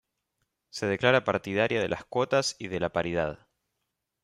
Se declara partidaria de las cuotas y de la paridad.